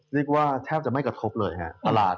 เรียกว่าแทบจะไม่กระทบเลยไงฮะ